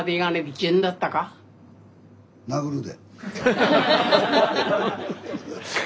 殴るで。